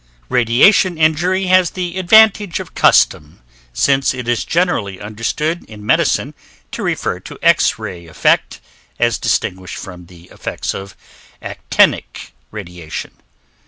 Radiation injury has the advantage of custom, since it is generally understood in medicine to refer to X ray effect as distinguished from the effects of actinic radiation.